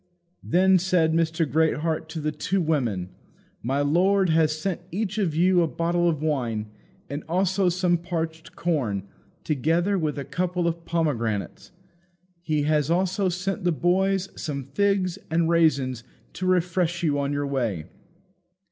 Then said Mr. Greatheart to the two women, "My lord has sent each of you a bottle of wine, and also some parched corn, together with a couple of pomegranates. He has also sent the boys some figs and raisins to refresh you on your way."